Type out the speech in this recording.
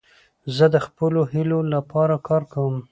زه د خپلو هیلو له پاره کار کوم.